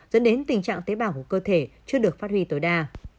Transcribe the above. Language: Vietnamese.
dẫn đến tình trạng tế bào của cơ thể chưa được phát huy tối đa